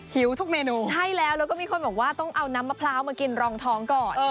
หิวทุกเมนูใช่แล้วแล้วก็มีคนบอกว่าต้องเอาน้ำมะพร้าวมากินรองท้องก่อน